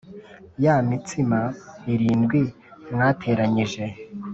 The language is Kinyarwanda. ya mitsima irindwi mwateranyije